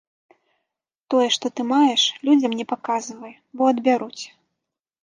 Тое, што ты маеш, людзям не паказвай, бо адбяруць.